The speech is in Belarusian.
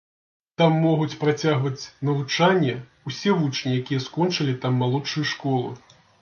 Там могуць працягваць навучанне ўсе вучні, якія скончылі там малодшую школу.